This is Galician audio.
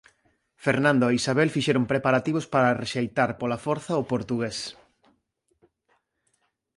Fernando e Isabel fixeron preparativos para rexeitar pola forza ao portugués.